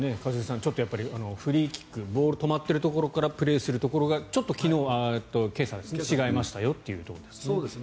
ちょっとフリーキックボールが止まっているところからプレーするところが今朝は違いましたよというところですね。